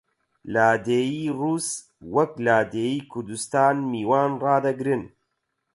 لادێی ڕووس وەک لادێی کوردستان میوان ڕادەگرن